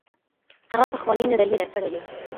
هغه پخوانۍ نظريې رد کړي دي.